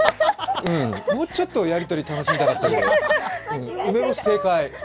もうちょっとやり取り楽しみたかったけどな、梅干し正解。